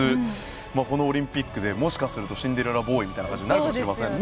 このオリンピックでもしかするとシンデレラボーイみたいな感じになるかもしれませんね。